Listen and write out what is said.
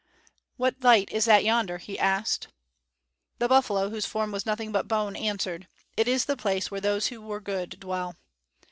"What light is that yonder?" he asked. The buffalo whose form was nothing but bone answered "It is the place where those who were good dwell."